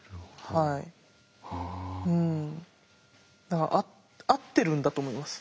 だから合ってるんだと思います。